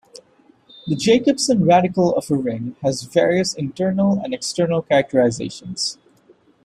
The Jacobson radical of a ring has various internal and external characterizations.